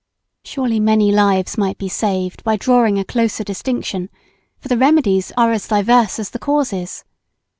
Surely many lives might be saved by drawing a closer distinction; for the remedies are as diverse as the causes.